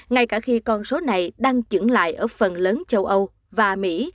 ngay cả khi con số này đang chứng lại ở phần lớn châu âu và mỹ